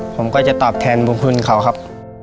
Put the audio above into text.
ผมก็จะตอบแทนบุญคุณเขาครับ